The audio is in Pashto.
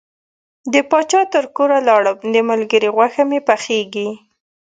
د پاچا تر کوره لاړم د ملګري غوښه مې پخیږي.